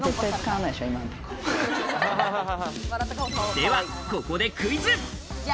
ではここでクイズ。